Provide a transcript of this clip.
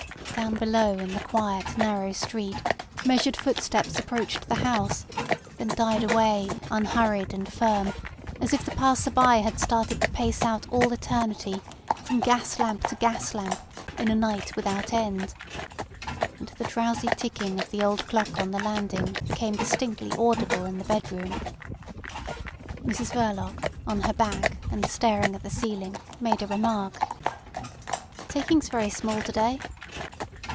Down below in the quiet, narrow street measured footsteps approached the house, then died away unhurried and firm, as if the passer by had started to pace out all eternity, from gas lamp to gas lamp in a night without end; and the drowsy ticking of the old clock on the landing became distinctly audible in the bedroom. Mrs Verloc, on her back, and staring at the ceiling, made a remark. "Takings very small to day."